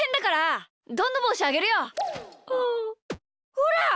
ほら！